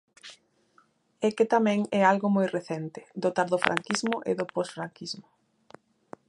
É que tamén é algo moi recente: do tardofranquismo e do posfranquismo.